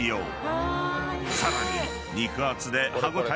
［さらに］